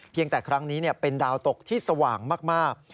แต่ครั้งนี้เป็นดาวตกที่สว่างมาก